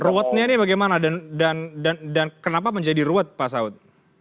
ruwetnya ini bagaimana dan kenapa menjadi ruwet pak saud